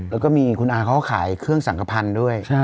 แล้วก็มีคุณอาเขาก็ขายเครื่องสังขพันธ์ด้วย